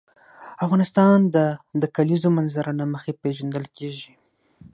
افغانستان د د کلیزو منظره له مخې پېژندل کېږي.